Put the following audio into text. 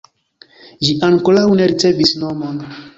Ĝi ankoraŭ ne ricevis nomon.